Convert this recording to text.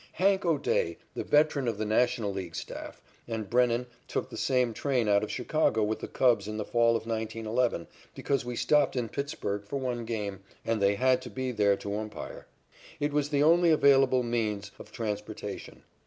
"Hank" O'Day, the veteran of the National League staff, and Brennan took the same train out of Chicago with the Giants in the fall of 1911 because we stopped in Pittsburg for one game, and they had to be there to umpire. It was the only available means of transportation.